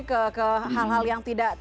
ke ke hal hal yang tidak